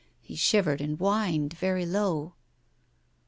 He shivered and whined very low.